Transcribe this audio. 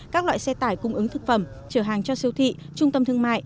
các loại xe tải cung ứng thực phẩm chở hàng cho siêu thị trung tâm thương mại